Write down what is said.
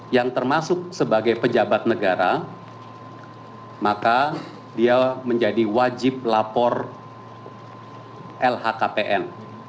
yang termasuk sebagai pejabat negara maka dia menjadi wajib lapor lhkpn